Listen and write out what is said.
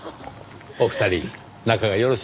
お二人仲がよろしいんですね。